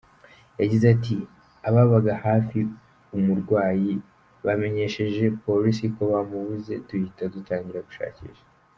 Yagize ati “Ababaga hafi umurwayi bamenyesheje Polisi ko bamubuze, duhita dutangira gushakisha.